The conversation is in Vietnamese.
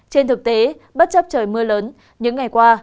trên thực tế bất chấp trời mưa lớn những ngày qua